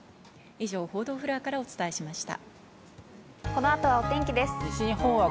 以上、報道フロアからお伝えしました。